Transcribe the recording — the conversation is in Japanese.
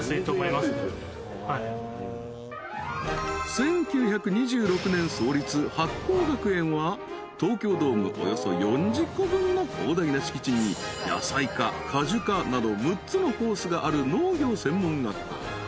［１９２６年創立八紘学園は東京ドームおよそ４０個分の広大な敷地に野菜科果樹科など６つのコースがある農業専門学校］